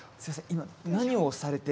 今何をされて。